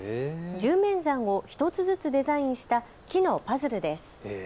１０名山を１つずつデザインした木のパズルです。